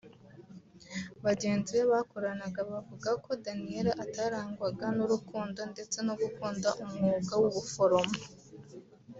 Bagenzi be bakoranaga bavuga ko Daniella atarangwaga n’urukundo ndetse no gukunda umwuga w’ubuforomo